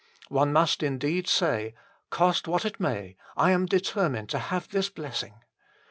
One must indeed say :" Cost what it may, I am determined to have this blessing."